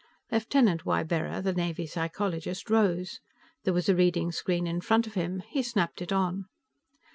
Lieutenant Ybarra, the Navy psychologist, rose. There was a reading screen in front of him; he snapped it on.